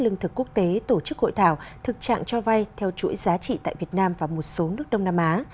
lương thực quốc tế tổ chức hội thảo thực trạng cho vay theo chuỗi giá trị tại việt nam và một số nước đông nam á